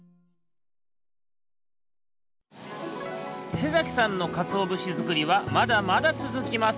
瀬崎さんのかつおぶしづくりはまだまだつづきます。